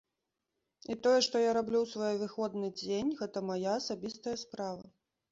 І тое, што я раблю ў свой выходны дзень, гэта мая асабістая справа.